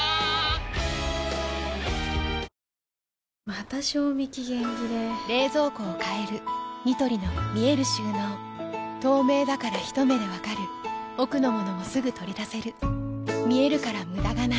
また賞味期限切れ冷蔵庫を変えるニトリの見える収納透明だからひと目で分かる奥の物もすぐ取り出せる見えるから無駄がないよし。